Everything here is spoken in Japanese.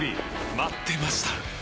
待ってました！